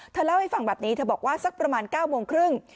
เล่าให้ฟังแบบนี้เธอบอกว่าสักประมาณ๙โมงครึ่ง